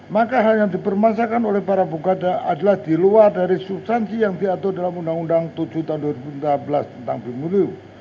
maka hal yang dipermasakan oleh para bung karda adalah di luar dari substansi yang diatur dalam undang undang tujuh tahun dua ribu empat belas tentang pemilu